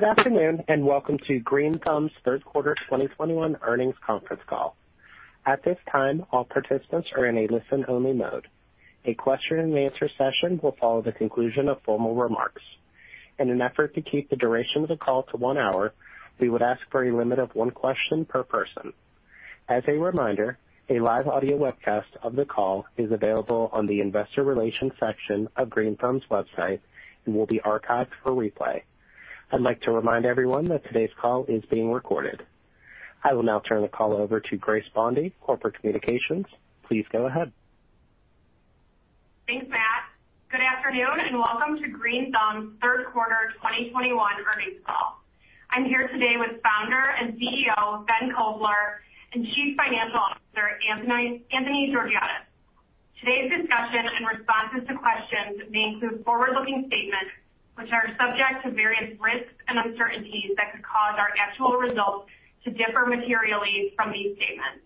Good afternoon, and welcome to Green Thumb's third quarter 2021 earnings conference call. At this time, all participants are in a listen-only mode. A question and answer session will follow the conclusion of formal remarks. In an effort to keep the duration of the call to one hour, we would ask for a limit of one question per person. As a reminder, a live audio webcast of the call is available on the investor relations section of Green Thumb's website and will be archived for replay. I'd like to remind everyone that today's call is being recorded. I will now turn the call over to Grace Bondy, Corporate Communications. Please go ahead. Thanks, Matt. Good afternoon, and welcome to Green Thumb's third quarter 2021 earnings call. I'm here today with Founder and CEO, Ben Kovler, and Chief Financial Officer, Anthony Georgiadis. Today's discussion and responses to questions may include forward-looking statements which are subject to various risks and uncertainties that could cause our actual results to differ materially from these statements.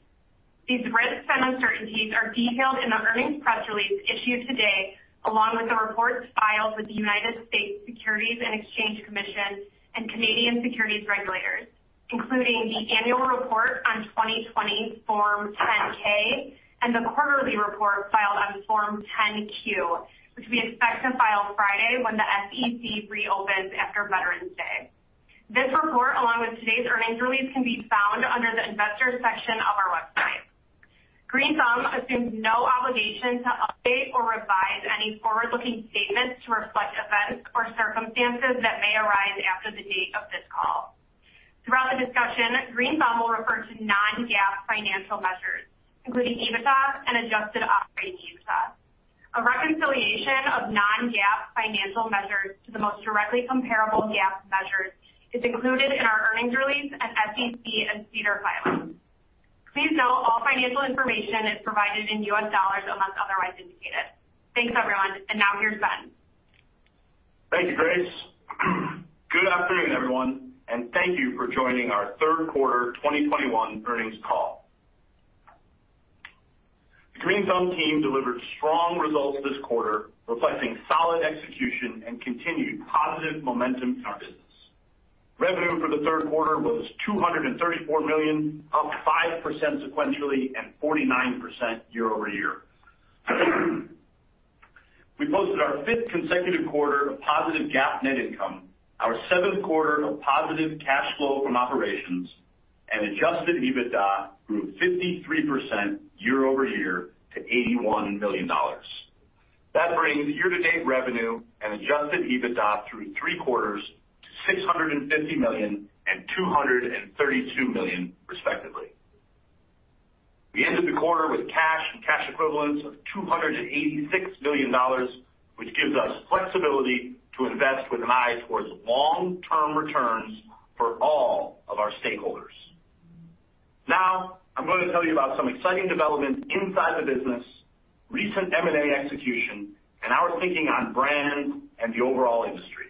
These risks and uncertainties are detailed in the earnings press release issued today, along with the reports filed with the United States Securities and Exchange Commission and Canadian Securities Regulators, including the annual report on 2020 Form 10-K and the quarterly report filed on Form 10-Q, which we expect to file Friday when the SEC reopens after Veterans Day. This report, along with today's earnings release, can be found under the investors section of our website. Green Thumb assumes no obligation to update or revise any forward-looking statements to reflect events or circumstances that may arise after the date of this call. Throughout the discussion, Green Thumb will refer to non-GAAP financial measures, including EBITDA and adjusted operating EBITDA. A reconciliation of non-GAAP financial measures to the most directly comparable GAAP measures is included in our earnings release and SEC and SEDAR filings. Please note all financial information is provided in U.S. dollars unless otherwise indicated. Thanks, everyone. Now here's Ben. Thank you, Grace. Good afternoon, everyone, and thank you for joining our third quarter 2021 earnings call. The Green Thumb team delivered strong results this quarter, reflecting solid execution and continued positive momentum in our business. Revenue for the third quarter was $234 million, up 5% sequentially and 49% year-over-year. We posted our fifth consecutive quarter of positive GAAP net income, our seventh quarter of positive cash flow from operations, and adjusted EBITDA grew 53% year-over-year to $81 million. That brings year-to-date revenue and adjusted EBITDA through three quarters to $650 million and $232 million, respectively. We ended the quarter with cash and cash equivalents of $286 million, which gives us flexibility to invest with an eye towards long-term returns for all of our stakeholders. Now, I'm gonna tell you about some exciting developments inside the business, recent M&A execution, and our thinking on brand and the overall industry.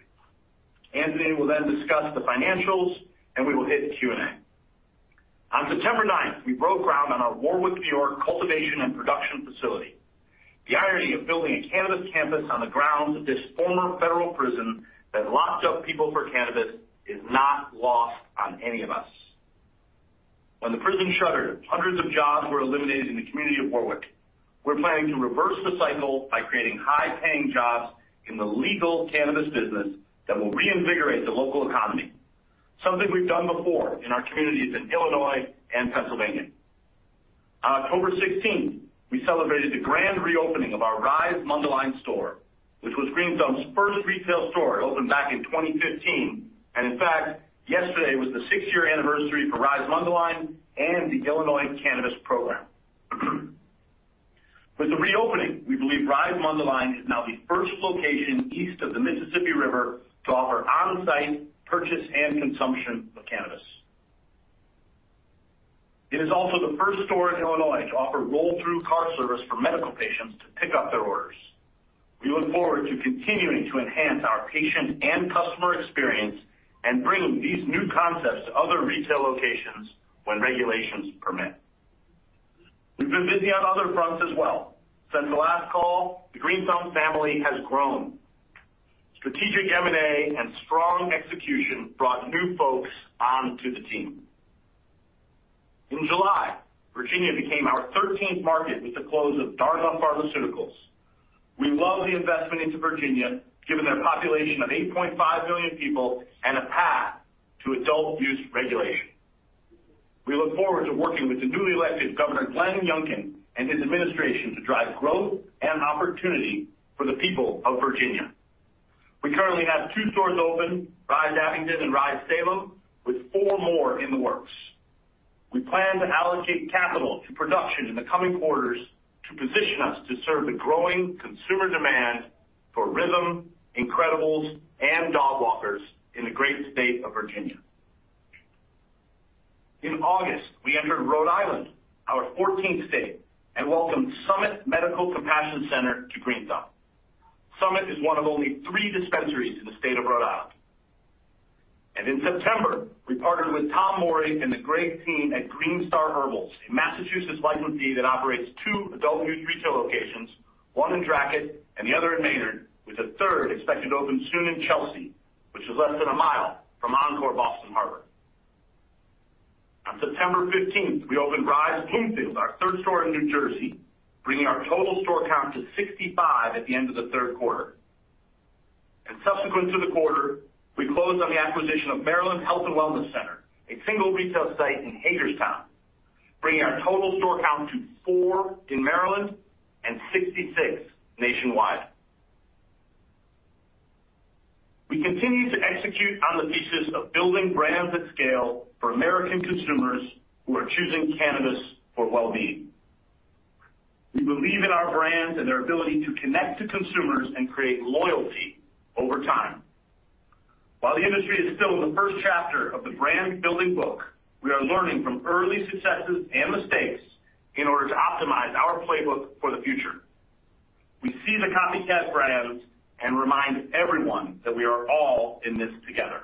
Anthony will then discuss the financials, and we will hit Q&A. On September 9, we broke ground on our Warwick, New York, cultivation and production facility. The irony of building a cannabis campus on the grounds of this former federal prison that locked up people for cannabis is not lost on any of us. When the prison shuttered, hundreds of jobs were eliminated in the community of Warwick. We're planning to reverse the cycle by creating high-paying jobs in the legal cannabis business that will reinvigorate the local economy, something we've done before in our communities in Illinois and Pennsylvania. On October 16, we celebrated the grand reopening of our RISE Mundelein store, which was Green Thumb's first retail store. It opened back in 2015, and in fact, yesterday was the six-year anniversary for RISE Mundelein and the Illinois Cannabis Program. With the reopening, we believe RISE Mundelein is now the first location east of the Mississippi River to offer on-site purchase and consumption of cannabis. It is also the first store in Illinois to offer roll-through car service for medical patients to pick up their orders. We look forward to continuing to enhance our patient and customer experience and bringing these new concepts to other retail locations when regulations permit. We've been busy on other fronts as well. Since the last call, the Green Thumb family has grown. Strategic M&A and strong execution brought new folks onto the team. In July, Virginia became our 13th market with the close of Dharma Pharmaceuticals. We love the investment into Virginia, given their population of 8.5 million people and a path to adult use regulation. We look forward to working with the newly elected Governor Glenn Youngkin and his administration to drive growth and opportunity for the people of Virginia. We currently have two stores open, RISE Abingdon and RISE Salem, with four more in the works. We plan to allocate capital to production in the coming quarters to position us to serve the growing consumer demand for Rhythm, Incredibles, and Dogwalkers in the great state of Virginia. In August, we entered Rhode Island, our 14th state, and welcomed Summit Medical Compassion Center to Green Thumb. Summit is one of only three dispensaries in the state of Rhode Island. In September, we partnered with Tom Morey and the great team at GreenStar Herbals, a Massachusetts licensee that operates two adult use retail locations, one in Dracut and the other in Maynard, with a third expected to open soon in Chelsea, which is less than a mile from Encore Boston Harbor. On September 15, we opened RISE Bloomfield, our third store in New Jersey, bringing our total store count to 65 at the end of the third quarter. Subsequent to the quarter, we closed on the acquisition of Maryland Health and Wellness Center, a single retail site in Hagerstown, bringing our total store count to four in Maryland and 66 nationwide. We continue to execute on the thesis of building brands at scale for American consumers who are choosing cannabis for well-being. We believe in our brands and their ability to connect to consumers and create loyalty over time. While the industry is still in the first chapter of the brand-building book, we are learning from early successes and mistakes in order to optimize our playbook for the future. We see the copycat brands and remind everyone that we are all in this together.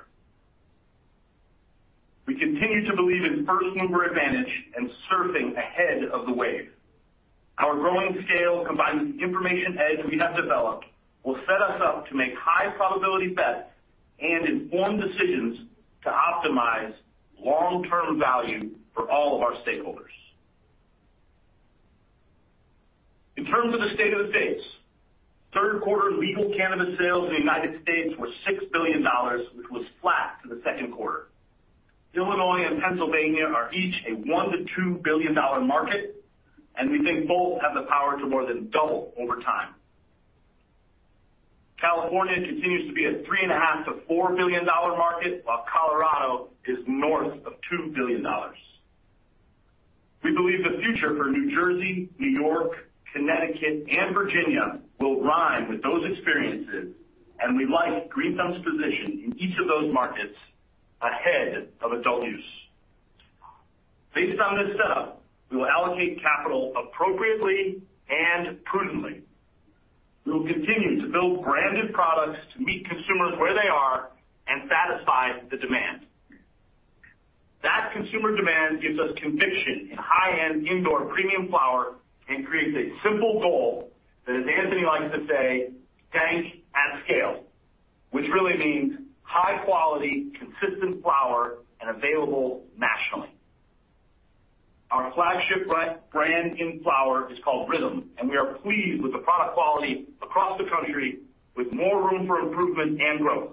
We continue to believe in first-mover advantage and surfing ahead of the wave. Our growing scale, combined with the information edge that we have developed, will set us up to make high-probability bets and informed decisions to optimize long-term value for all of our stakeholders. In terms of the state of the states, third quarter legal cannabis sales in the United States were $6 billion, which was flat to the second quarter. Illinois and Pennsylvania are each a $1 billion-$2 billion market, and we think both have the power to more than double over time. California continues to be a $3.5 billion-$4 billion market, while Colorado is north of $2 billion. We believe the future for New Jersey, New York, Connecticut, and Virginia will rhyme with those experiences, and we like Green Thumb's position in each of those markets ahead of adult use. Based on this setup, we will allocate capital appropriately and prudently. We will continue to build branded products to meet consumers where they are and satisfy the demand. That consumer demand gives us conviction in high-end indoor premium flower and creates a simple goal, that as Anthony likes to say, dank at scale, which really means high quality, consistent flower, and available nationally. Our flagship brand in flower is called Rhythm, and we are pleased with the product quality across the country with more room for improvement and growth.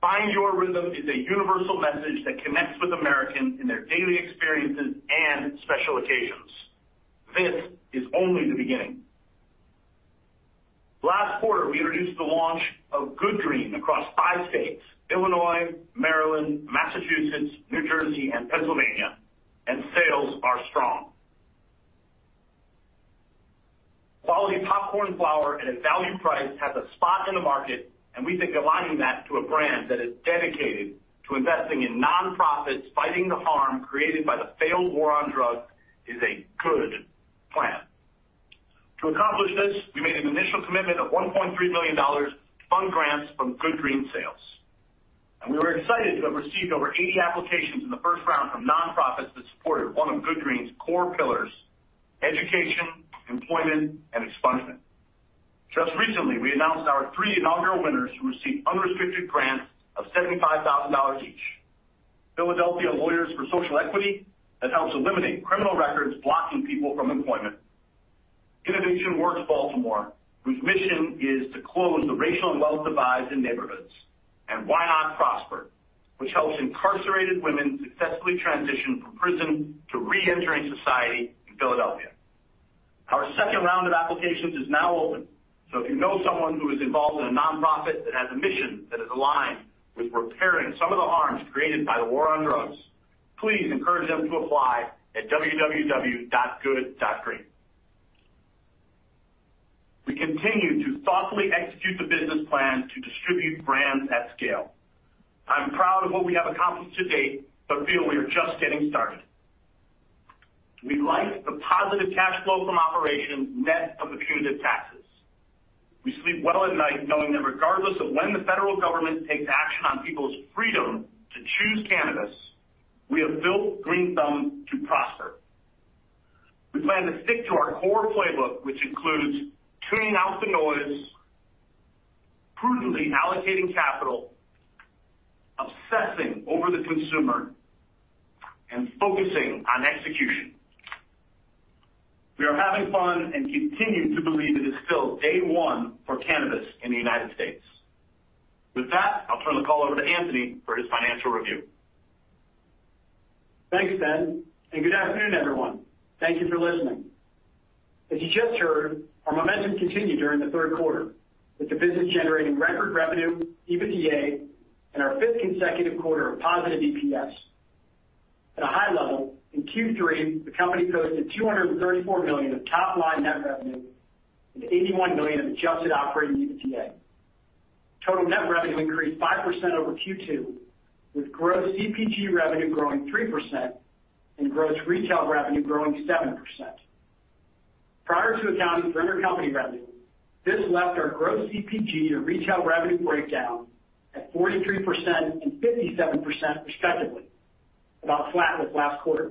Find Your Rhythm is a universal message that connects with Americans in their daily experiences and special occasions. This is only the beginning. Last quarter, we introduced the launch of Good Green across five states, Illinois, Maryland, Massachusetts, New Jersey, and Pennsylvania, and sales are strong. Quality popcorn flower at a value price has a spot in the market, and we think aligning that to a brand that is dedicated to investing in nonprofits, fighting the harm created by the failed war on drugs is a good plan. To accomplish this, we made an initial commitment of $1.3 million to fund grants from Good Green sales, and we were excited to have received over 80 applications in the first round from nonprofits that supported one of Good Green's core pillars, education, employment, and expungement. Just recently, we announced our three inaugural winners who received unrestricted grants of $75,000 each. Philadelphia Lawyers for Social Equity, that helps eliminate criminal records blocking people from employment. Innovation Works Baltimore, whose mission is to close the racial and wealth divides in neighborhoods. And Why Not Prosper, which helps incarcerated women successfully transition from prison to reentering society in Philadelphia. Our second round of applications is now open, so if you know someone who is involved in a nonprofit that has a mission that is aligned with repairing some of the harms created by the war on drugs, please encourage them to apply at www.good.green. We continue to thoughtfully execute the business plan to distribute brands at scale. I'm proud of what we have accomplished to date, but feel we are just getting started. We like the positive cash flow from operations net of accumulated taxes. We sleep well at night knowing that regardless of when the federal government takes action on people's freedom to choose cannabis, we have built Green Thumb to prosper. We plan to stick to our core playbook, which includes tuning out the noise, prudently allocating capital, obsessing over the consumer, and focusing on execution. We are having fun and continue to believe that it's still day one for cannabis in the United States. With that, I'll turn the call over to Anthony for his financial review. Thanks, Ben, and good afternoon, everyone. Thank you for listening. As you just heard, our momentum continued during the third quarter, with the business generating record revenue, EBITDA, and our fifth consecutive quarter of positive EPS. At a high level, in Q3, the company posted $234 million of top-line net revenue and $81 million of adjusted operating EBITDA. Total net revenue increased 5% over Q2, with gross CPG revenue growing 3% and gross retail revenue growing 7%. Prior to accounting for intercompany revenue, this left our gross CPG to retail revenue breakdown at 43% and 57% respectively, about flat with last quarter.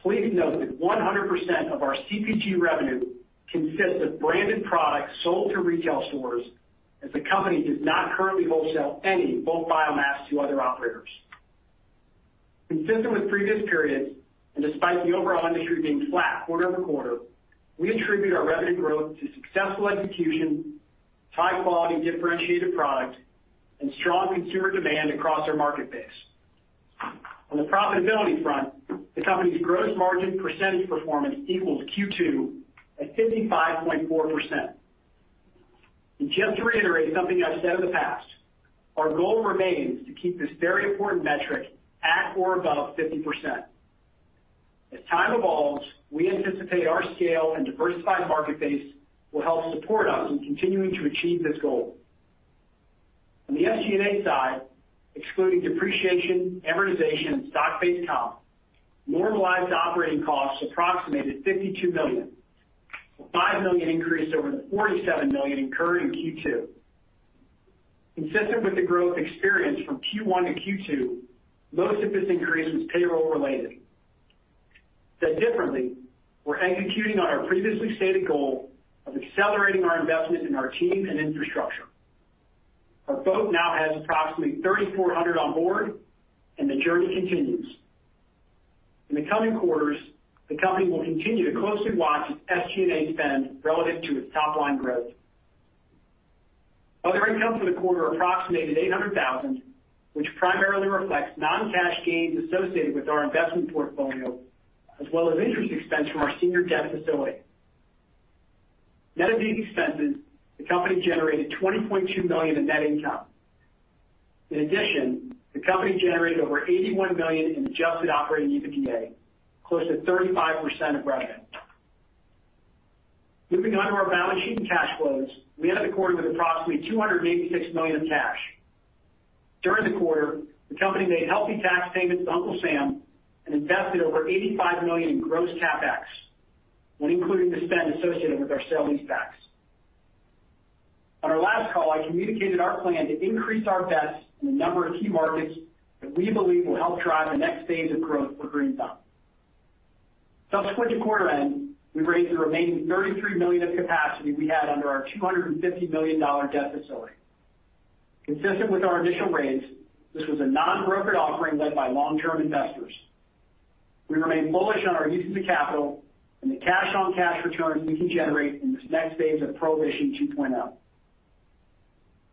Please note that 100% of our CPG revenue consists of branded products sold to retail stores, as the company does not currently wholesale any bulk biomass to other operators. Consistent with previous periods, and despite the overall industry being flat quarter-over-quarter, we attribute our revenue growth to successful execution, high quality differentiated product, and strong consumer demand across our market base. On the profitability front, the company's gross margin percentage performance equals Q2 at 55.4%. Just to reiterate something I've said in the past, our goal remains to keep this very important metric at or above 50%. As time evolves, we anticipate our scale and diversified market base will help support us in continuing to achieve this goal. On the SG&A side, excluding depreciation, amortization, and stock-based comp, normalized operating costs approximated $52 million, a $5 million increase over the $47 million incurred in Q2. Consistent with the growth experienced from Q1 to Q2, most of this increase was payroll-related. Said differently, we're executing on our previously stated goal of accelerating our investment in our team and infrastructure. Our boat now has approximately 3,400 on board, and the journey continues. In the coming quarters, the company will continue to closely watch its SG&A spend relative to its top-line growth. Other income for the quarter approximated $800,000, which primarily reflects non-cash gains associated with our investment portfolio, as well as interest expense from our senior debt facility. Net of these expenses, the company generated $20.2 million in net income. In addition, the company generated over $81 million in adjusted operating EBITDA, close to 35% of revenue. Moving on to our balance sheet and cash flows, we ended the quarter with approximately $286 million in cash. During the quarter, the company made healthy tax payments to Uncle Sam and invested over $85 million in gross CapEx, when including the spend associated with our sale-leasebacks. On our last call, I communicated our plan to increase our bets in a number of key markets that we believe will help drive the next phase of growth for Green Thumb. To switch to quarter end, we raised the remaining $33 million of capacity we had under our $250 million debt facility. Consistent with our initial raise, this was a non-brokered offering led by long-term investors. We remain bullish on our uses of capital and the cash-on-cash returns we can generate in this next phase of Prohibition 2.0.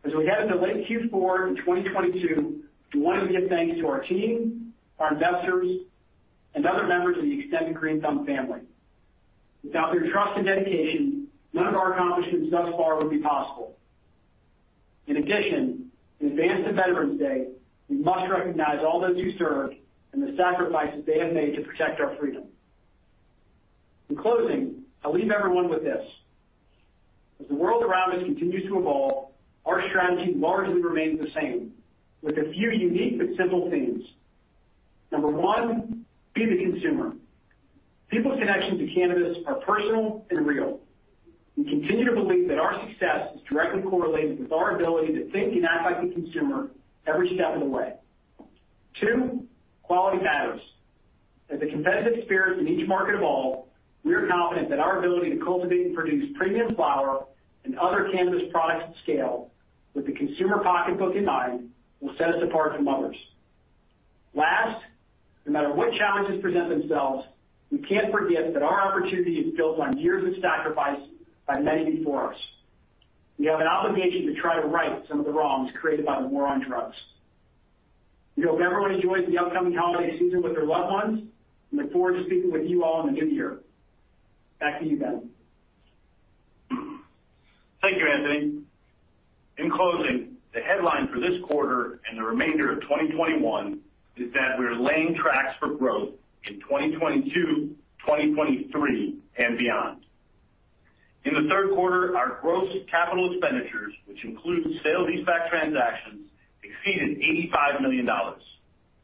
As we head into late Q4 in 2022, we wanted to give thanks to our team, our investors, and other members of the extended Green Thumb family. Without their trust and dedication, none of our accomplishments thus far would be possible. In addition, in advance of Veterans Day, we must recognize all those who served and the sacrifices they have made to protect our freedom. In closing, I'll leave everyone with this. As the world around us continues to evolve, our strategy largely remains the same, with a few unique but simple themes. Number one, be the consumer. People's connection to cannabis are personal and real. We continue to believe that our success is directly correlated with our ability to think and act like the consumer every step of the way. Two, quality matters. As the competitive spirit in each market evolve, we are confident that our ability to cultivate and produce premium flower and other cannabis products at scale with the consumer pocketbook in mind will set us apart from others. Last, no matter what challenges present themselves, we can't forget that our opportunity is built on years of sacrifice by many before us. We have an obligation to try to right some of the wrongs created by the war on drugs. We hope everyone enjoys the upcoming holiday season with their loved ones and look forward to speaking with you all in the new year. Back to you, Ben. Thank you, Anthony. In closing, the headline for this quarter and the remainder of 2021 is that we are laying tracks for growth in 2022, 2023, and beyond. In the third quarter, our gross capital expenditures, which includes sale-leaseback transactions, exceeded $85 million,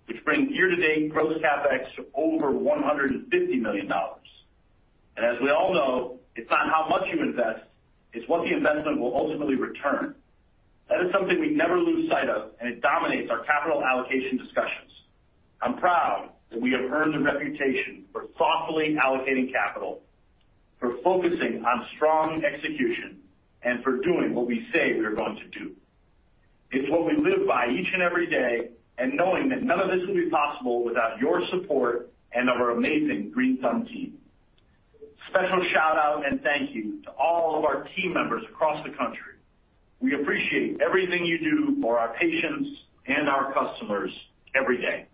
which brings year-to-date gross CapEx to over $150 million. As we all know, it's not how much you invest, it's what the investment will ultimately return. That is something we never lose sight of, and it dominates our capital allocation discussions. I'm proud that we have earned a reputation for thoughtfully allocating capital, for focusing on strong execution, and for doing what we say we are going to do. It's what we live by each and every day, and knowing that none of this would be possible without your support and of our amazing Green Thumb team. Special shout out and thank you to all of our team members across the country. We appreciate everything you do for our patients and our customers every day.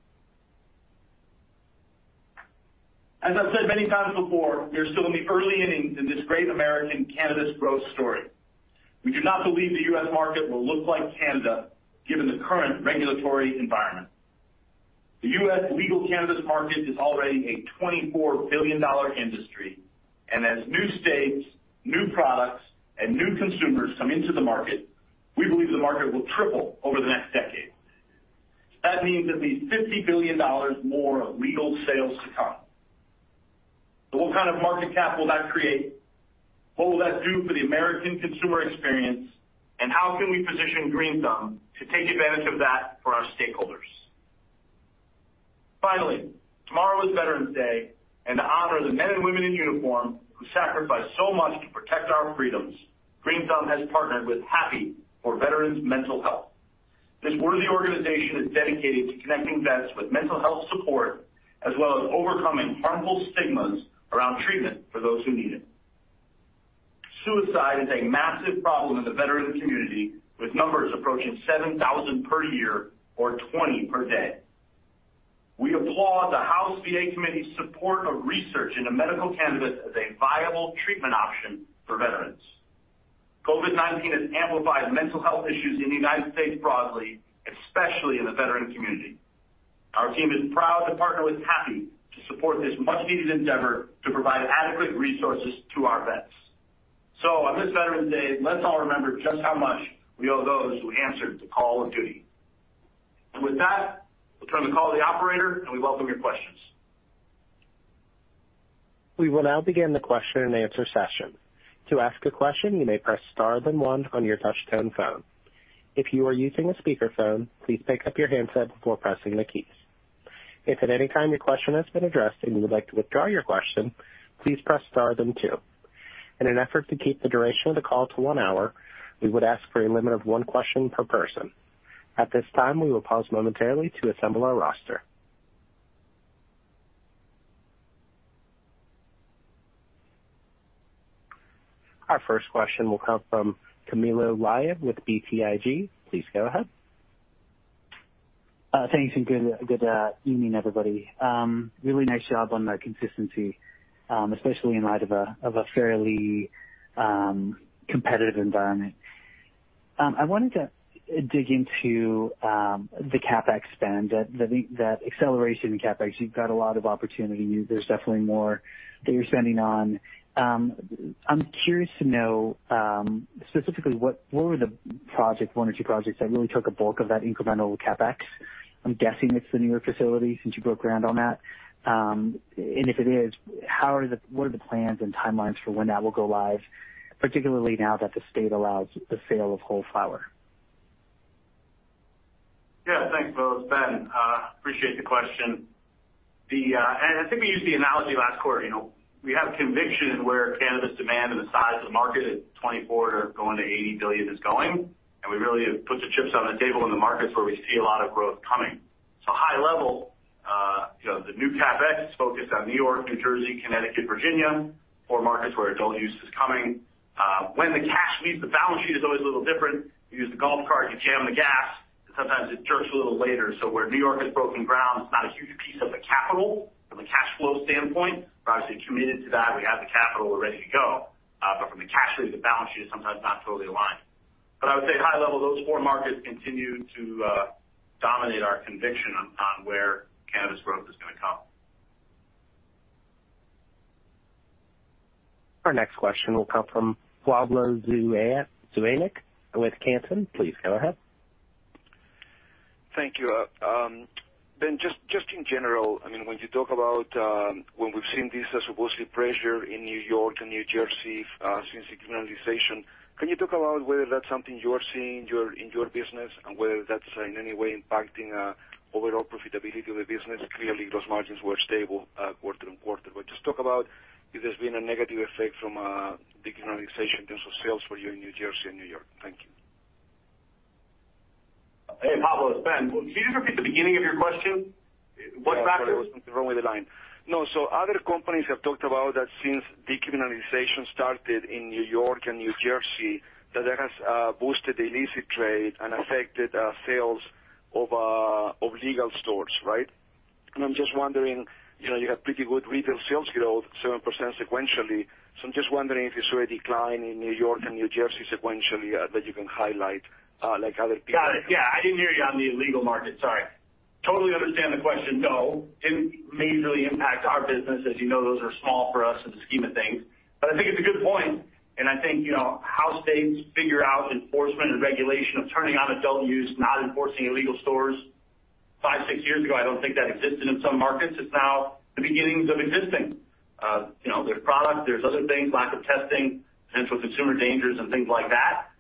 As I've said many times before, we are still in the early innings in this great American cannabis growth story. We do not believe the U.S. market will look like Canada, given the current regulatory environment. The U.S. legal cannabis market is already a $24 billion industry, and as new states, new products, and new consumers come into the market, we believe the market will triple over the next decade. That means at least $50 billion more of legal sales to come. What kind of market cap will that create? What will that do for the American consumer experience? How can we position Green Thumb to take advantage of that for our stakeholders? Finally, tomorrow is Veterans Day, and to honor the men and women in uniform who sacrifice so much to protect our freedoms, Green Thumb has partnered with Happy for Veterans Mental Health. This worthy organization is dedicated to connecting vets with mental health support, as well as overcoming harmful stigmas around treatment for those who need it. Suicide is a massive problem in the veteran community, with numbers approaching 7,000 per year or 20 per day. We applaud the House VA Committee's support of research into medical cannabis as a viable treatment option for veterans. COVID-19 has amplified mental health issues in the United States broadly, especially in the veteran community. Our team is proud to partner with Happy to support this much needed endeavor to provide adequate resources to our vets. On this Veterans Day, let's all remember just how much we owe those who answered the call of duty. With that, we'll turn the call to the operator, and we welcome your questions. We will now begin the question-and-answer session. To ask a question, you may press star then one on your touchtone phone. If you are using a speakerphone, please pick up your handset before pressing the keys. If at any time your question has been addressed and you would like to withdraw your question, please press star then two. In an effort to keep the duration of the call to one hour, we would ask for a limit of one question per person. At this time, we will pause momentarily to assemble our roster. Our first question will come from Camilo Lyon with BTIG. Please go ahead. Thanks, and good evening, everybody. Really nice job on the consistency, especially in light of a fairly competitive environment. I wanted to dig into the CapEx spend, that acceleration in CapEx. You've got a lot of opportunity. There's definitely more that you're spending on. I'm curious to know, specifically what were the projects, one or two projects that really took a bulk of that incremental CapEx. I'm guessing it's the New York facility since you broke ground on that. If it is, what are the plans and timelines for when that will go live, particularly now that the state allows the sale of whole flower? Yeah. Thanks. It's Ben. Appreciate the question. I think we used the analogy last quarter. You know, we have conviction in where cannabis demand and the size of the market at 2024 going to $80 billion is going, and we really have put the chips on the table in the markets where we see a lot of growth coming. High level, you know, the new CapEx is focused on New York, New Jersey, Connecticut, Virginia, four markets where adult use is coming. When the cash leaves the balance sheet is always a little different. You use the golf cart, you jam the gas, and sometimes it jerks a little later. Where New York has broken ground, it's not a huge piece of the capital from a cash flow standpoint. We're obviously committed to that. We have the capital. We're ready to go. From the cash flow to the balance sheet, it's sometimes not totally aligned. I would say high level, those four markets continue to dominate our conviction on where cannabis growth is gonna come. Our next question will come from Pablo Zuanic with Cantor. Please go ahead. Thank you. Ben, just in general, I mean, when you talk about when we've seen this as a boosted pressure in New York and New Jersey since decriminalization, can you talk about whether that's something you are seeing in your business and whether that's in any way impacting overall profitability of the business? Clearly, those margins were stable quarter-over-quarter. Just talk about if there's been a negative effect from decriminalization in terms of sales for you in New Jersey and New York. Thank you. Hey, Pablo, it's Ben. Can you just repeat the beginning of your question? What factor? Sorry, there was something wrong with the line. No, other companies have talked about that since decriminalization started in New York and New Jersey, that it has boosted illicit trade and affected sales of legal stores, right? I'm just wondering, you know, you have pretty good retail sales growth, 7% sequentially. I'm just wondering if you saw a decline in New York and New Jersey sequentially, that you can highlight, like other people. Got it. Yeah. I didn't hear you on the illegal market. Sorry. Totally understand the question. No, didn't majorly impact our business. As you know, those are small for us in the scheme of things. I think it's a good point, and I think, you know, how states figure out enforcement and regulation of turning on adult use, not enforcing illegal stores. five, six years ago, I don't think that existed in some markets. It's now the beginnings of existing. You know, there's product, there's other things, lack of testing, potential consumer dangers and things like that.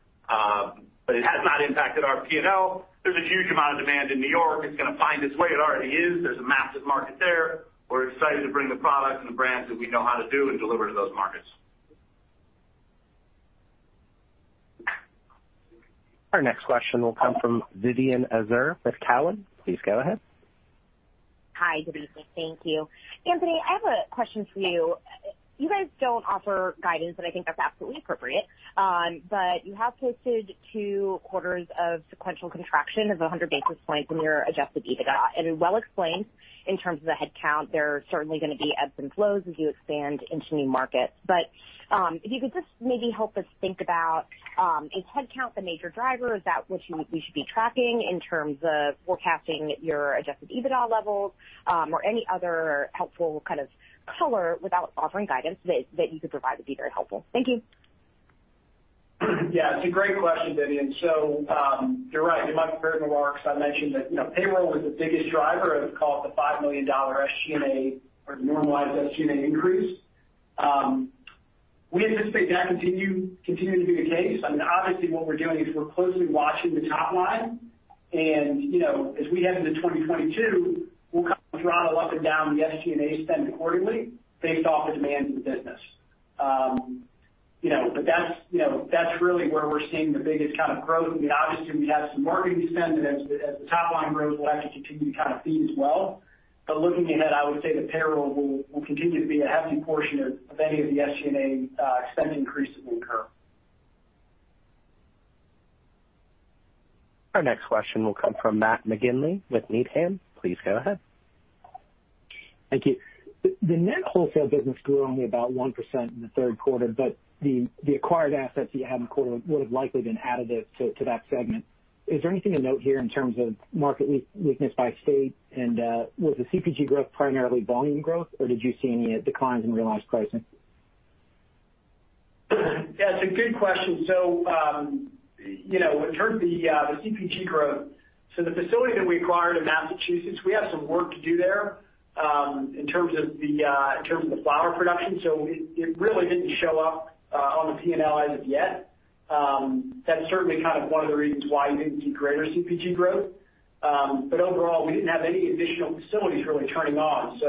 But it has not impacted our P&L. There's a huge amount of demand in New York. It's gonna find its way. It already is. There's a massive market there. We're excited to bring the products and the brands that we know how to do and deliver to those markets. Our next question will come from Vivien Azer with Cowen. Please go ahead. Hi, good evening. Thank you. Anthony, I have a question for you. You guys don't offer guidance, and I think that's absolutely appropriate. You have posted two quarters of sequential contraction of 100 basis points in your adjusted EBITDA. Well explained in terms of the headcount. There are certainly gonna be ebbs and flows as you expand into new markets. If you could just maybe help us think about, is headcount the major driver? Is that what we should be tracking in terms of forecasting your adjusted EBITDA levels, or any other helpful kind of color without offering guidance that you could provide would be very helpful. Thank you. Yeah, it's a great question, Vivien. You're right. In my prepared remarks, I mentioned that, you know, payroll was the biggest driver of the $5 million SG&A or normalized SG&A increase. We anticipate that continuing to be the case. I mean, obviously, what we're doing is we're closely watching the top line. You know, as we head into 2022, we'll kind of throttle up and down the SG&A spend accordingly based off the demands of the business. You know, but that's, you know, that's really where we're seeing the biggest kind of growth. I mean, obviously, we have some marketing spend that as the top line grows, we'll actually continue to kind of see as well. Looking ahead, I would say the payroll will continue to be a hefty portion of any of the SG&A expense increases we incur. Our next question will come from Matt McGinley with Needham. Please go ahead. Thank you. The net wholesale business grew only about 1% in the third quarter, but the acquired assets you had in the quarter would have likely been additive to that segment. Is there anything to note here in terms of market weakness by state? Was the CPG growth primarily volume growth, or did you see any declines in realized pricing? Yeah, it's a good question. You know, in terms of the CPG growth, the facility that we acquired in Massachusetts, we have some work to do there in terms of the flower production. It really didn't show up on the P&L as of yet. That's certainly kind of one of the reasons why you didn't see greater CPG growth. Overall, we didn't have any additional facilities really turning on.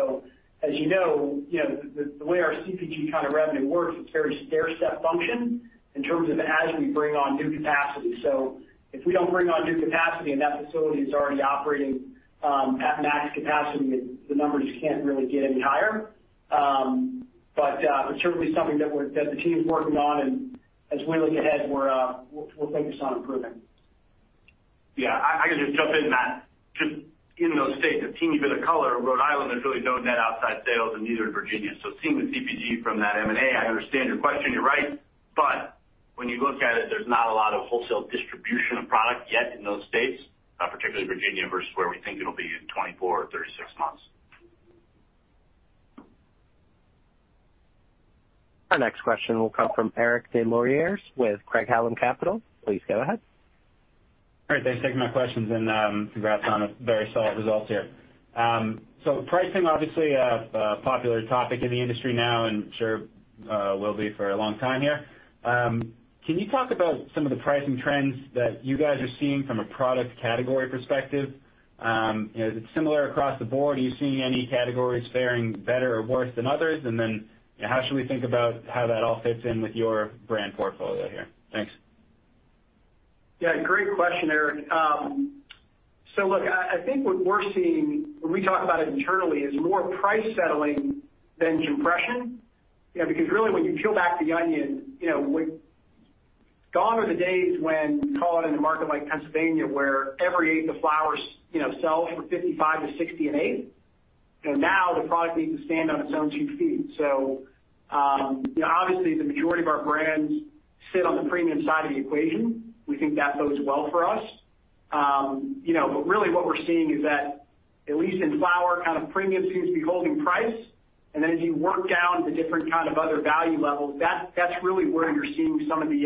As you know, the way our CPG kind of revenue works, it's very stairstep function in terms of as we bring on new capacity. If we don't bring on new capacity, and that facility is already operating at max capacity, the numbers can't really get any higher. It's certainly something that the team's working on, and as we look ahead, we'll focus on improving. Yeah. I can just jump in, Matt. Just in those states, a teeny bit of color. Rhode Island, there's really no net outside sales and neither in Virginia. Seeing the CPG from that M&A, I understand your question. You're right. When you look at it, there's not a lot of wholesale distribution of product yet in those states, particularly Virginia, versus where we think it'll be in 24 or 36 months. Our next question will come from Eric Des Lauriers with Craig-Hallum Capital. Please go ahead. All right. Thanks for taking my questions, and congrats on the very solid results here. Pricing obviously a popular topic in the industry now and sure will be for a long time here. Can you talk about some of the pricing trends that you guys are seeing from a product category perspective? You know, is it similar across the board? Are you seeing any categories faring better or worse than others? And then, how should we think about how that all fits in with your brand portfolio here? Thanks. Yeah, great question, Eric. Look, I think what we're seeing when we talk about it internally is more price settling than compression. You know, because really when you peel back the onion, you know, gone are the days when you call it in a market like Pennsylvania, where every eighth of flowers, you know, sell for $55-$60 an eighth. You know, now the product needs to stand on its own two feet. You know, obviously the majority of our brands sit on the premium side of the equation. We think that bodes well for us. You know, but really what we're seeing is that at least in flower, kind of premium seems to be holding price. As you work down the different kind of other value levels, that's really where you're seeing some of the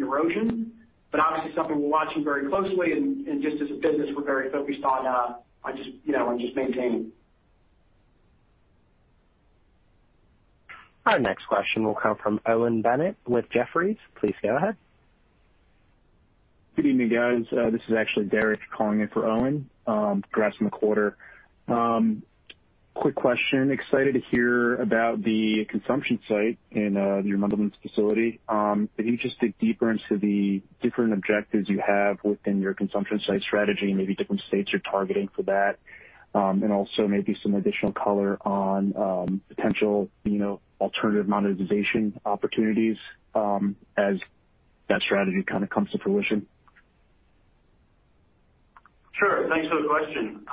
erosion. Obviously something we're watching very closely and just as a business we're very focused on just you know on just maintaining. Our next question will come from Owen Bennett with Jefferies. Please go ahead. Good evening, guys. This is actually Derek calling in for Owen. Congrats on the quarter. Quick question. Excited to hear about the consumption site in your Mundelein facility. Can you just dig deeper into the different objectives you have within your consumption site strategy and maybe different states you're targeting for that? Maybe some additional color on potential, you know, alternative monetization opportunities as that strategy kind of comes to fruition. Sure. Thanks for the question.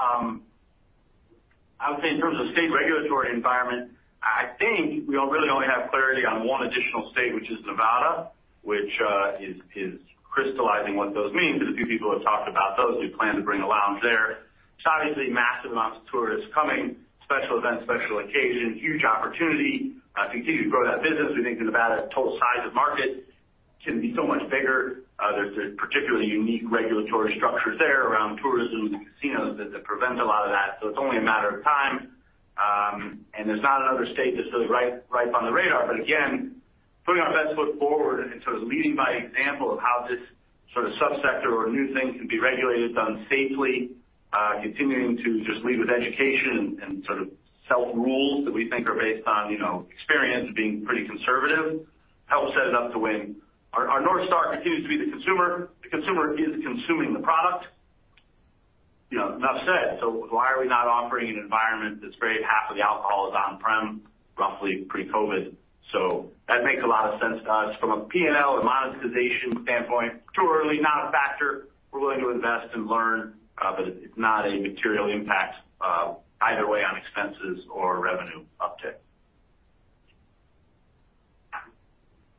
I would say in terms of state regulatory environment, I think we really only have clarity on one additional state, which is Nevada, which is crystallizing what those mean, because a few people have talked about those. We plan to bring a lounge there. So obviously massive amounts of tourists coming, special events, special occasions, huge opportunity to continue to grow that business. We think Nevada, total size of market can be so much bigger. There's a particularly unique regulatory structures there around tourism, casinos that prevent a lot of that. So it's only a matter of time. There's not another state that's really ripe on the radar. Again, putting our best foot forward and sort of leading by example of how this sort of subsector or new thing can be regulated, done safely, continuing to just lead with education and sort of self-rules that we think are based on, you know, experience being pretty conservative, help set it up to win. Our North Star continues to be the consumer. The consumer is consuming the product, you know, enough said. Why are we not offering an environment that's great if half of the alcohol is on-prem, roughly pre-COVID? That makes a lot of sense to us. From a P&L and monetization standpoint, too early, not a factor. We're willing to invest and learn, but it's not a material impact, either way on expenses or revenue uptick.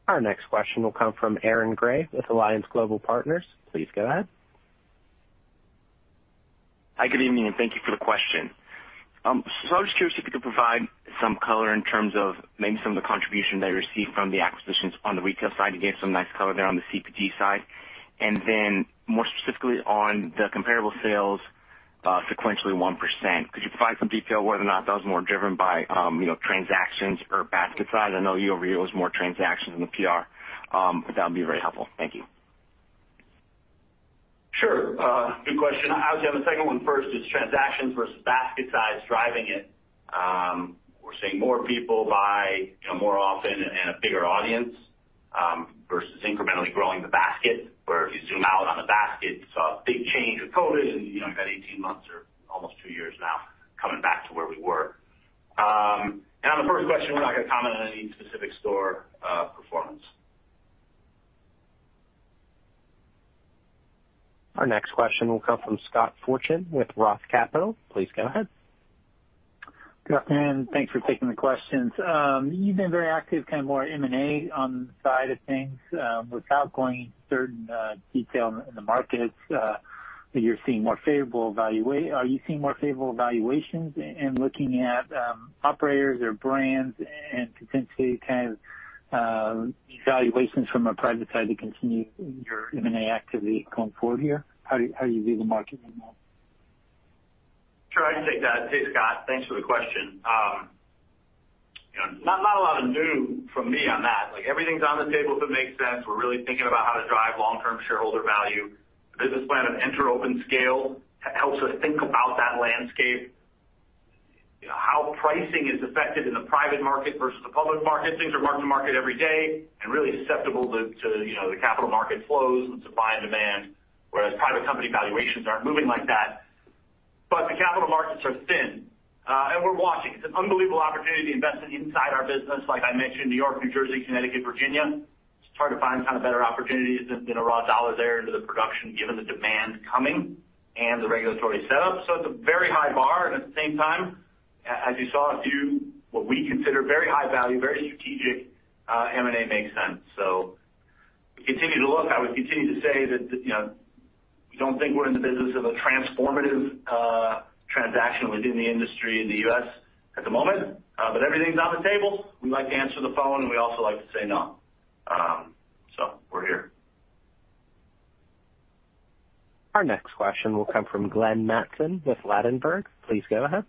Our next question will come from Aaron Grey with Alliance Global Partners. Please go ahead. Hi, good evening, and thank you for the question. I was curious if you could provide some color in terms of maybe some of the contribution that you received from the acquisitions on the retail side. You gave some nice color there on the CPG side. More specifically on the comparable sales, sequentially 1%. Could you provide some detail whether or not that was more driven by, you know, transactions or basket size? I know you know it's more transactions than the prior, but that would be very helpful. Thank you. Sure, good question. I would say on the second one first is transactions versus basket size driving it. We're seeing more people buy, you know, more often and a bigger audience versus incrementally growing the basket, where if you zoom out on the basket, you saw a big change with COVID and, you know, we've had eighteen months or almost two years now coming back to where we were. On the first question, we're not gonna comment on any specific store performance. Our next question will come from Scott Fortune with ROTH Capital. Please go ahead. Good afternoon. Thanks for taking the questions. You've been very active, kind of more M&A on the side of things. Without going into certain detail in the markets, you're seeing more favorable valuations and looking at operators or brands and potentially kind of evaluations from a private side to continue your M&A activity going forward here? How do you view the market right now? Sure, I can take that. Hey, Scott, thanks for the question. You know, not a lot of new from me on that. Like, everything's on the table if it makes sense. We're really thinking about how to drive long-term shareholder value. The business plan of enter, open, scale helps us think about that landscape. You know, how pricing is affected in the private market versus the public market. Things are mark-to-market every day and really susceptible to you know, the capital market flows and supply and demand, whereas private company valuations aren't moving like that. But the capital markets are thin, and we're watching. It's an unbelievable opportunity to invest inside our business. Like I mentioned, New York, New Jersey, Connecticut, Virginia. It's hard to find kind of better opportunities than raw dollars there into the production given the demand coming and the regulatory setup. It's a very high bar, and at the same time, as you saw a few what we consider very high value, very strategic, M&A makes sense. We continue to look. I would continue to say that, you know, we don't think we're in the business of a transformative transaction within the industry in the U.S. at the moment, but everything's on the table. We like to answer the phone, and we also like to say no. We're here. Our next question will come from Glenn Mattson with Ladenburg. Please go ahead.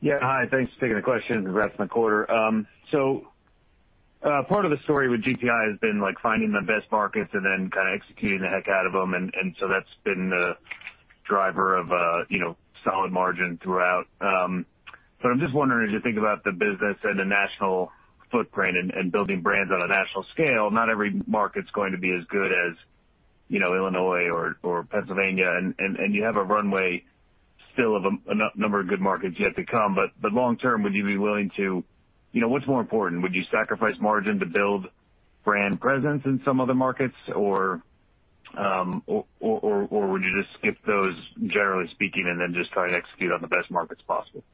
Yeah. Hi. Thanks for taking the question. Congrats on the quarter. Part of the story with GTI has been, like, finding the best markets and then kinda executing the heck out of them. So that's been the driver of, you know, solid margin throughout. I'm just wondering, as you think about the business and the national footprint and building brands on a national scale, not every market's going to be as good as, you know, Illinois or Pennsylvania. You have a runway still of a number of good markets yet to come. Long term, would you be willing to. You know, what's more important? Would you sacrifice margin to build brand presence in some other markets or would you just skip those generally speaking and then just try to execute on the best markets possible?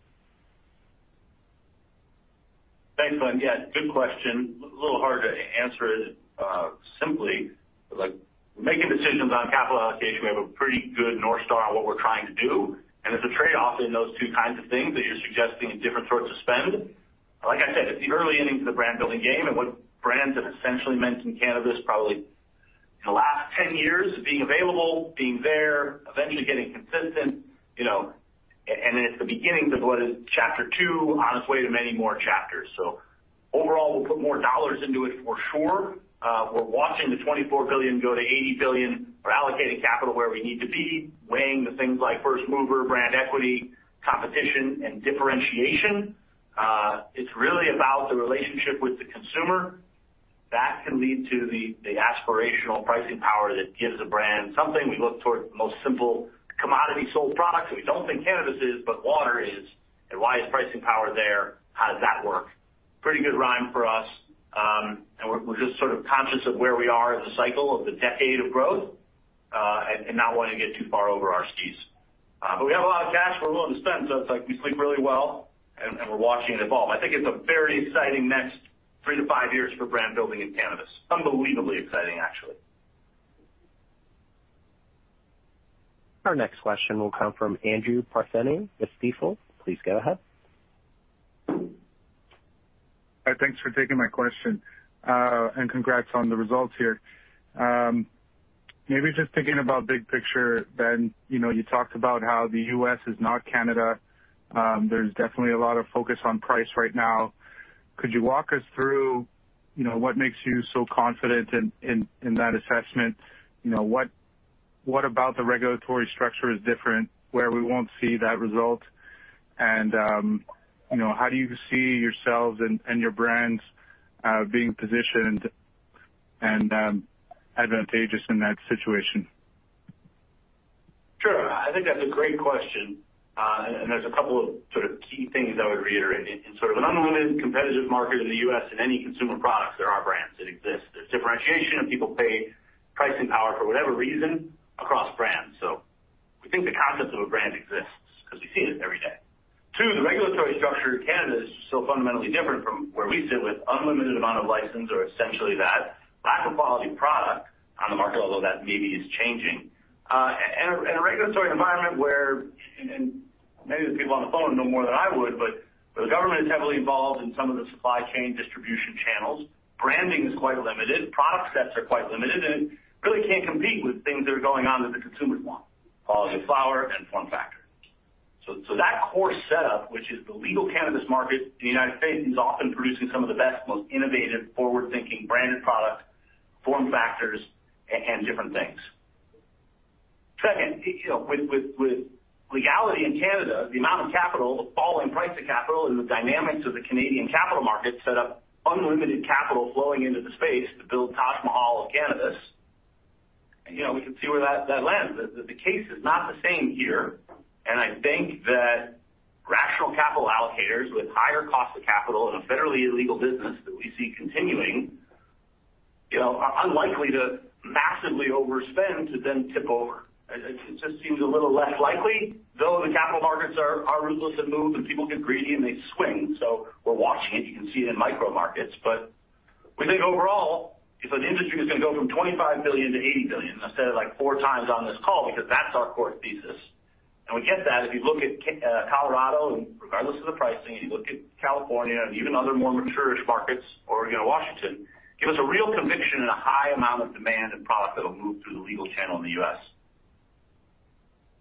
Thanks, Glenn. Yeah, good question. Little hard to answer it simply. Like, making decisions on capital allocation, we have a pretty good North Star on what we're trying to do, and it's a trade-off in those two kinds of things that you're suggesting in different sorts of spend. Like I said, it's the early innings of the brand-building game and what brands have essentially meant in cannabis probably in the last 10 years of being available, being there, eventually getting consistent, you know, and it's the beginning of what is chapter two on its way to many more chapters. Overall, we'll put more dollars into it for sure. We're watching the $24 billion go to $80 billion. We're allocating capital where we need to be, weighing the things like first mover, brand equity, competition, and differentiation. It's really about the relationship with the consumer. That can lead to the aspirational pricing power that gives a brand something. We look towards the most simple commodity sold products that we don't think cannabis is, but water is. Why is pricing power there? How does that work? Pretty good rhyme for us, and we're just sort of conscious of where we are in the cycle of the decade of growth, and not wanting to get too far over our skis. But we have a lot of cash we're willing to spend, so it's like we sleep really well and we're watching it evolve. I think it's a very exciting next three to five years for brand building in cannabis. Unbelievably exciting, actually. Our next question will come from Andrew Partheniou with Stifel. Please go ahead. Thanks for taking my question, and congrats on the results here. Maybe just thinking about big picture, Ben, you know, you talked about how the U.S. is not Canada. There's definitely a lot of focus on price right now. Could you walk us through, you know, what makes you so confident in that assessment? You know, what about the regulatory structure is different where we won't see that result? You know, how do you see yourselves and your brands being positioned and advantageous in that situation? Sure. I think that's a great question. There's a couple of sort of key things I would reiterate. In sort of an unlimited competitive market in the U.S. in any consumer products, there are brands that exist. There's differentiation and people pay pricing power for whatever reason across brands. We think the concept of a brand exists because we see it every day. Two, the regulatory structure in Canada is so fundamentally different from where we sit with unlimited amount of license, or essentially that lack of quality product on the market, although that maybe is changing. A regulatory environment where, and maybe the people on the phone know more than I would, but where the government is heavily involved in some of the supply chain distribution channels. Branding is quite limited, product sets are quite limited, and really can't compete with things that are going on that the consumers want, quality flower and form factor. So that core setup, which is the legal cannabis market in the United States, is often producing some of the best, most innovative, forward-thinking branded products, form factors and different things. Second, you know, with legality in Canada, the amount of capital, the falling price of capital, and the dynamics of the Canadian capital market set up unlimited capital flowing into the space to build Taj Mahal of cannabis. You know, we can see where that lands. The case is not the same here. I think that rational capital allocators with higher cost of capital in a federally illegal business that we see continuing, you know, are unlikely to massively overspend to then tip over. It just seems a little less likely, though the capital markets are ruthless to move, and people get greedy, and they swing. We're watching it. You can see it in micro markets. We think overall, if an industry was gonna go from $25 billion-$80 billion, I've said it like four times on this call because that's our core thesis. We get that if you look at Colorado, and regardless of the pricing, and you look at California and even other more mature-ish markets, Oregon or Washington, give us a real conviction in a high amount of demand and product that'll move through the legal channel in the U.S.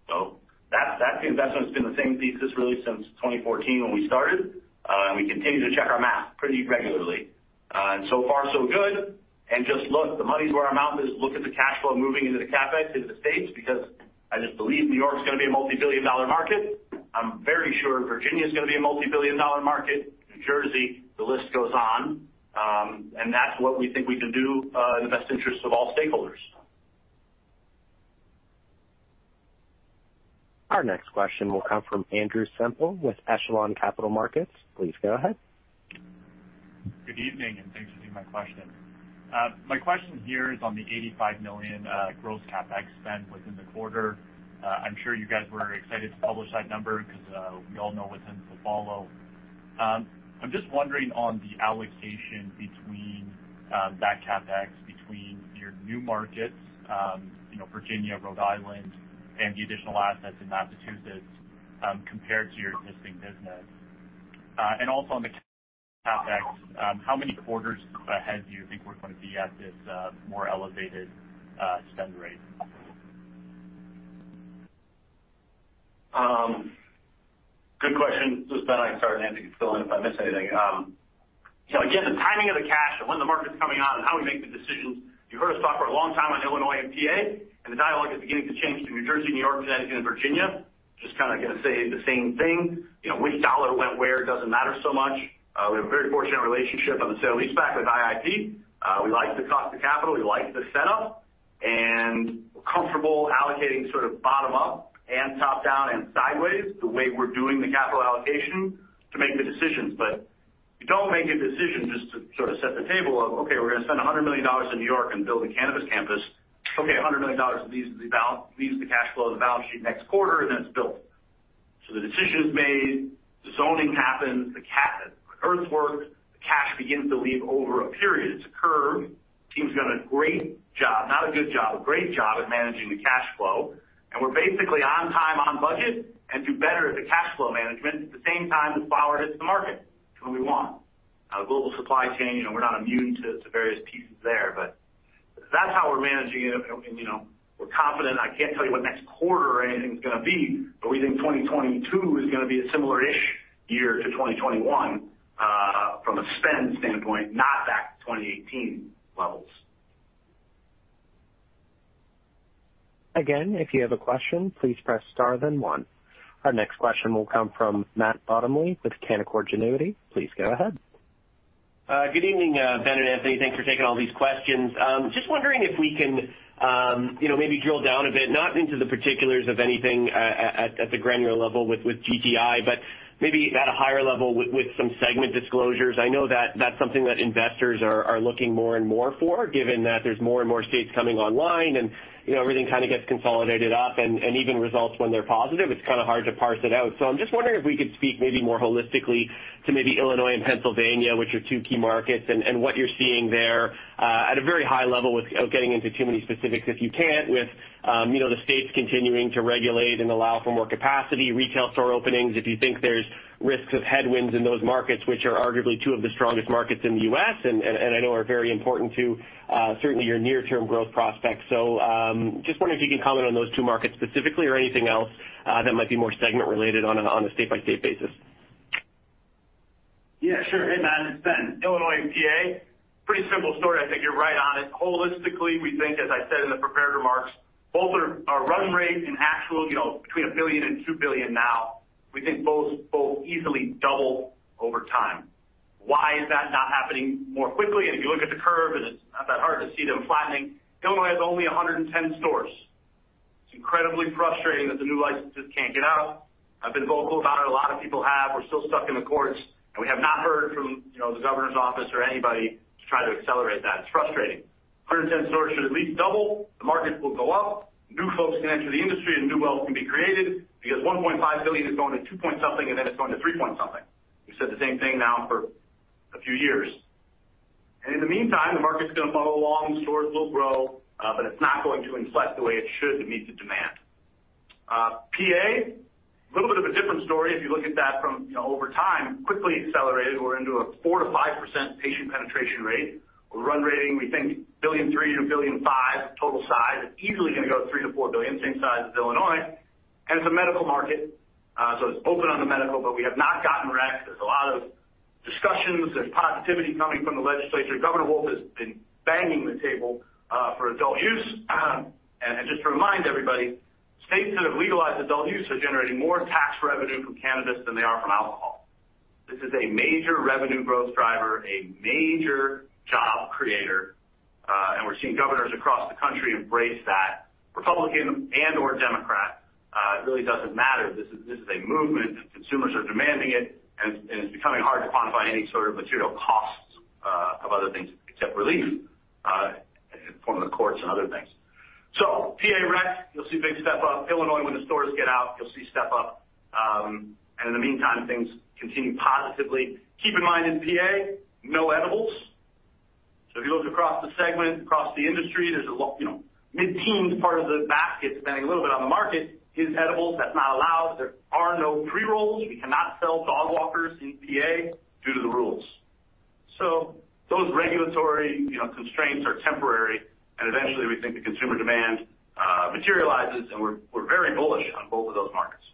That, that's the investment that's been the same thesis really since 2014 when we started, and we continue to check our math pretty regularly. So far so good. Just look, the money's where our mouth is. Look at the cash flow moving into the CapEx into the States, because I just believe New York's gonna be a multi-billion dollar market. I'm very sure Virginia is gonna be a multi-billion dollar market. New Jersey, the list goes on. That's what we think we can do in the best interest of all stakeholders. Our next question will come from Andrew Semple with Echelon Capital Markets. Please go ahead. Good evening, and thanks for taking my question. My question here is on the $85 million gross CapEx spend within the quarter. I'm sure you guys were excited to publish that number because we all know what's in store. I'm just wondering on the allocation between that CapEx between your new markets, you know, Virginia, Rhode Island, and the additional assets in Massachusetts, compared to your existing business. Also on the CapEx, how many quarters ahead do you think we're gonna be at this more elevated spend rate? Good question. This is Ben. I can start, and Anthony can fill in if I miss anything. You know, again, the timing of the cash and when the market's coming out and how we make the decisions, you heard us talk for a long time on Illinois and PA, and the dialogue is beginning to change to New Jersey, New York, Connecticut, and Virginia. Just kind of gonna say the same thing. You know, which dollar went where doesn't matter so much. We have a very fortunate relationship on the sale-leaseback with IIP. We like the cost of capital. We like the setup, and we're comfortable allocating sort of bottom up and top down and sideways, the way we're doing the capital allocation to make the decisions. You don't make a decision just to sort of set the table of, okay, we're gonna spend $100 million in New York and build a cannabis campus. Okay, $100 million leaves the cash flow of the balance sheet next quarter, and then it's built. The decision is made, the zoning happens, the earthworks, the cash begins to leave over a period. It's a curve. Team's done a great job. Not a good job, a great job at managing the cash flow. We're basically on time, on budget, and do better at the cash flow management at the same time the flower hits the market. It's what we want. Now, the global supply chain, you know, we're not immune to various pieces there, but that's how we're managing it, and, you know, we're confident. I can't tell you what next quarter or anything's gonna be, but we think 2022 is gonna be a similar-ish year to 2021, from a spend standpoint, not back to 2018 levels. Again, if you have a question, please press Star then one. Our next question will come from Matt Bottomley with Canaccord Genuity. Please go ahead. Good evening, Ben and Anthony. Thanks for taking all these questions. Just wondering if we can, you know, maybe drill down a bit, not into the particulars of anything, at the granular level with GTI, but maybe at a higher level with some segment disclosures. I know that that's something that investors are looking more and more for, given that there's more and more states coming online and, you know, everything kind of gets consolidated up and even results when they're positive, it's kind of hard to parse it out. I'm just wondering if we could speak maybe more holistically to maybe Illinois and Pennsylvania, which are two key markets, and what you're seeing there, at a very high level without getting into too many specifics, if you can't, with, you know, the states continuing to regulate and allow for more capacity, retail store openings, if you think there's risks of headwinds in those markets, which are arguably two of the strongest markets in the U.S. and I know are very important to, certainly your near term growth prospects. Just wondering if you can comment on those two markets specifically or anything else, that might be more segment related on a, on a state by state basis. Yeah, sure. Hey, Matt, it's Ben. Illinois and PA, pretty simple story. I think you're right on it. Holistically, we think, as I said in the prepared remarks, both are run rate and actual, you know, between $1 billion and $2 billion now. We think both easily double over time. Why is that not happening more quickly? If you look at the curve, and it's not that hard to see them flattening. Illinois has only 110 stores. It's incredibly frustrating that the new licenses can't get out. I've been vocal about it. A lot of people have. We're still stuck in the courts, and we have not heard from, you know, the governor's office or anybody to try to accelerate that. It's frustrating. 110 stores should at least double. The market will go up. New folks can enter the industry, and new wealth can be created because $1.5 billion is going to $2.something billion, and then it's going to $3.something billion. We've said the same thing now for a few years. In the meantime, the market's gonna muddle along. Stores will grow, but it's not going to inflate the way it should to meet the demand. PA, a little bit of a different story if you look at that from, you know, over time, quickly accelerated. We're into a 4%-5% patient penetration rate. We're run rating, we think $3 billion-$5 billion total size. It's easily gonna go $3 billion-$4 billion, same size as Illinois. It's a medical market, so it's open on the medical, but we have not gotten rec. There's a lot of discussions. There's positivity coming from the legislature. Governor Wolf has been banging the table for adult use. Just to remind everybody, states that have legalized adult use are generating more tax revenue from cannabis than they are from alcohol. This is a major revenue growth driver, a major job creator, and we're seeing governors across the country embrace that, Republican and/or Democrat. It really doesn't matter. This is a movement, and consumers are demanding it, and it's becoming hard to quantify any sort of material costs of other things except relief in form of the courts and other things. PA rec, you'll see a big step up. Illinois, when the stores get out, you'll see step up. In the meantime, things continue positively. Keep in mind, in PA, no edibles. If you look across the segment, across the industry, there's you know, mid-teens part of the basket, depending a little bit on the market, is edibles. That's not allowed. There are no pre-rolls. We cannot sell Dogwalkers in PA due to the rules. Those regulatory, you know, constraints are temporary, and eventually we think the consumer demand materializes, and we're very bullish on both of those markets.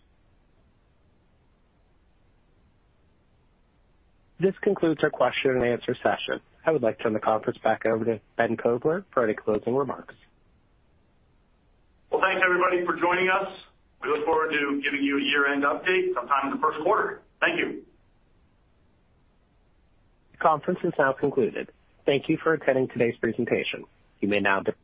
This concludes our question and answer session. I would like to turn the conference back over to Ben Kovler for any closing remarks. Well, thanks everybody for joining us. We look forward to giving you a year-end update sometime in the first quarter. Thank you. Conference is now concluded. Thank you for attending today's presentation. You may now disconnect.